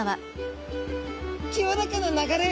清らかな流れ。